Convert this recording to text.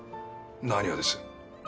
何がです？